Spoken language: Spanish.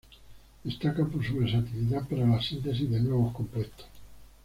Destacan por su versatilidad para la síntesis de nuevos compuestos.